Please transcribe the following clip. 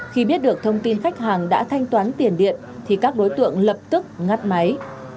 khi biết được thông tin khách hàng đã thanh toán tiền điện thì các đối tượng lập tức ngắt máy